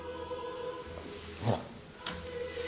ほら。